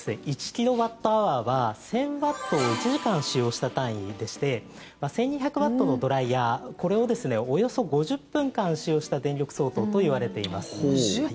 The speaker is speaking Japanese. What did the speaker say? １キロワットアワーは１０００ワットを１時間使用した単位でして１２００ワットのドライヤーこれをおよそ５０分間使用した電力相当といわれています。